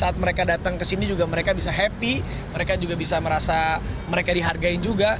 saat mereka datang ke sini juga mereka bisa happy mereka juga bisa merasa mereka dihargai juga